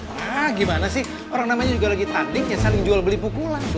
wah gimana sih orang namanya juga lagi tanding ya saling jual beli pukulan